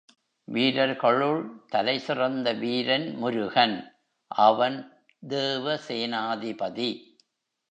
வீரர்களுள் தலைசிறந்த வீரன் முருகன் அவன் தேவசேனாபதி.